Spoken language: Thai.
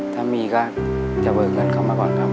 ถ้ามีก็จะเบิกเงินเข้ามาก่อนครับ